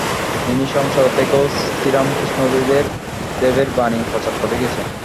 তিনি সংসারে থেকেও শ্রীরামকৃষ্ণদেবের বাণী প্রচার করে গেছেন।